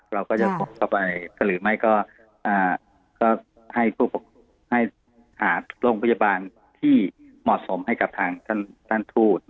เราก็จะตกเข้าไปหรือไม่ก็ให้หาโรงพยาบาลที่เหมาะสมให้กับทางท่านทูต